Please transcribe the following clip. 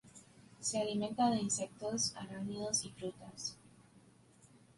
Se alimenta de insectos, arácnidos y frutas.